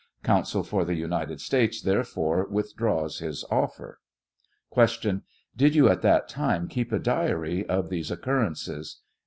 Counsel for the United States therefore withdraws his offer.] Q. Did ypu at that time keep a diary of these occur rences